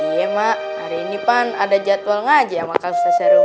iya mak hari ini pan ada jadwal ngaji sama kak ustaz jarum